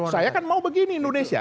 saya kan mau begini indonesia